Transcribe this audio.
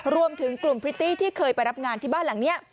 รวมถึงกลุ่มพริตตี้ที่เคยไปรับงานที่บ้านหลังนี้